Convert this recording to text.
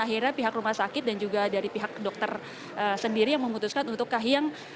akhirnya pihak rumah sakit dan juga dari pihak dokter sendiri yang memutuskan untuk kahiyang